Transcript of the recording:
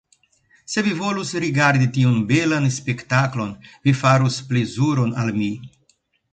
Se vi volus rigardi tiun belan spektaklon, vi farus plezuron al mi.